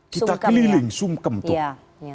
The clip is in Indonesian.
kita keliling sungkem tuh